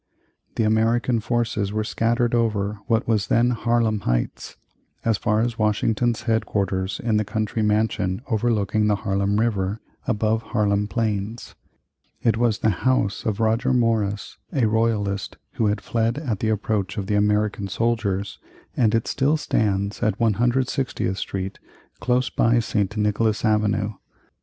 The American forces were scattered over what was then Harlem Heights, as far as Washington's head quarters in the country mansion overlooking the Harlem River above Harlem Plains. It was the house of Roger Morris, a royalist who had fled at the approach of the American soldiers, and it still stands at 160th Street close by St. Nicholas Avenue.